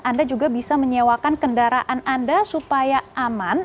anda juga bisa menyewakan kendaraan anda supaya aman